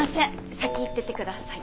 先行ってて下さい。